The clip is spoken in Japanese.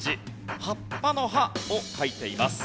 葉っぱの「葉」を書いています。